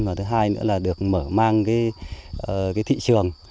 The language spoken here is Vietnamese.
và thứ hai nữa là được mở mang cái thị trường